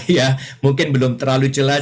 ya mungkin belum terlalu jelas